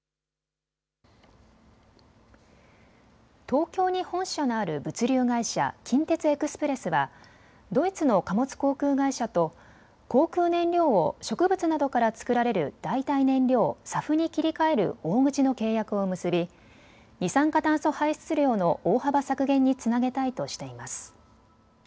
東京に本社のある物流会社、近鉄エクスプレスはドイツの貨物航空会社と航空燃料を植物などから作られる代替燃料、ＳＡＦに切り替える大口の契約を結び、二酸化炭素排出量の大幅削減につなげたいとしています。